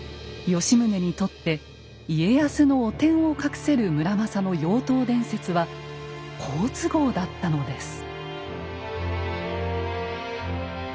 吉宗にとって家康の汚点を隠せる村正の「妖刀伝説」は好都合だったのです。